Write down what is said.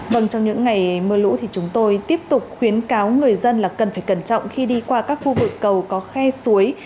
vâng trong những ngày mưa lũ thì chúng tôi tiếp tục khuyến cáo người dân là cần phải cẩn trọng khi đi qua các khu vực cầu có khe suối